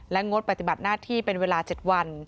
งดปฏิบัติหน้าที่เป็นเวลา๗วัน